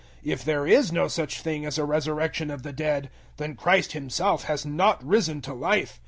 015:013 If there is no such thing as a resurrection of the dead, then Christ Himself has not risen to life.